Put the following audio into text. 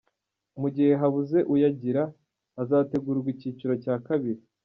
Mu gihe habuze uyagira hazategurwa icyiciro cya kabiri.